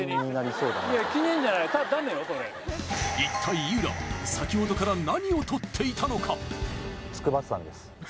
それ一体井浦は先ほどから何を撮っていたのか？